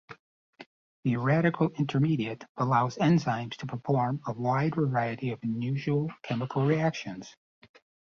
The radical intermediate allows enzymes to perform a wide variety of unusual chemical reactions.